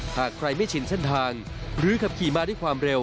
หากใครไม่ชินเส้นทางหรือขับขี่มาด้วยความเร็ว